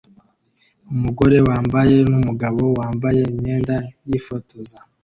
Umugore wambaye numugabo wambaye imyenda yifotoza